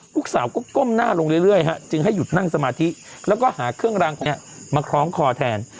ลูกสาวก็ก้มหน้าลงเรื่อยจึงให้หยุดนั่งสมาธิแล้วก็หาเครื่องรังมาคล้องคอแทน